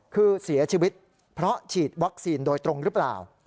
คือเสียชีวิตเพราะฉีดวัคซีนโดยตรงหรือเปล่า